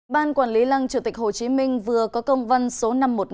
ban quản lý lăng chủ tịch hồ chí minh vừa có công văn số năm trăm một mươi năm